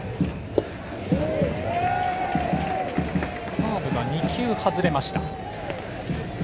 カーブが２球外れました。